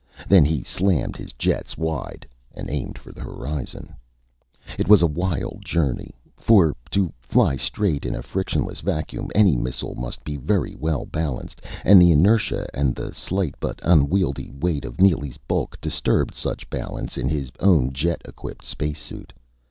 Then he slammed his jets wide, and aimed for the horizon. It was a wild journey for, to fly straight in a frictionless vacuum, any missile must be very well balanced; and the inertia and the slight but unwieldy weight of Neely's bulk disturbed such balance in his own jet equipped space suit.